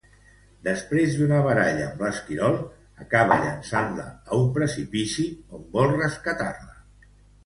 Després d'una baralla amb l'esquirol, acaba llançant-la a un precipici, on vol rescatar-la.